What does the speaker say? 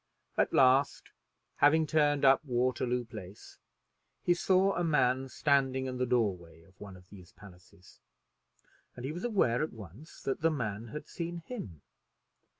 At last, having turned up Waterloo Place, he saw a man standing in the door way of one of these palaces, and he was aware at once that the man had seen him.